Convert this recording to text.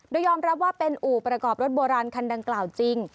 โดยยอมรับว่าเป็นอู่ประกอบรถโบราณคันดังกล่าวจริง